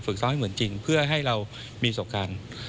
ซ้อมให้เหมือนจริงเพื่อให้เรามีประสบการณ์